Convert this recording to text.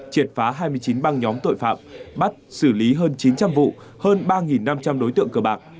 triệt phá hai mươi chín băng nhóm tội phạm bắt xử lý hơn chín trăm linh vụ hơn ba năm trăm linh đối tượng cờ bạc